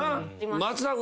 松田君。